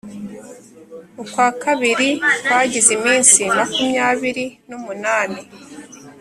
Ukwakabiri kwagize iminsi makumyabiri n’umunani